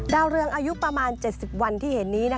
ดาวเรืองอายุประมาณ๗๐วันที่เห็นนี้